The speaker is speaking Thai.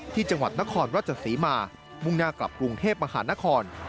จังหวัดนครราชศรีมามุ่งหน้ากลับกรุงเทพมหานคร